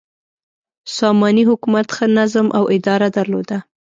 ساماني حکومت ښه نظم او اداره درلوده.